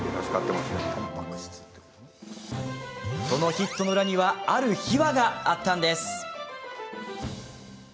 そのヒットの裏にはある秘話があったんです。